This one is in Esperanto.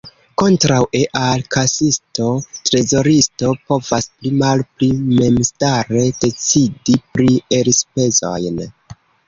Kontraŭe al kasisto, trezoristo povas pli-malpli memstare decidi pri elspezojn.